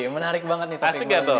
menarik banget nih